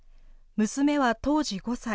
娘は当時５歳。